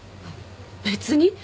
別に。